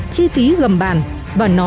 chi phí gầm bàn và nó là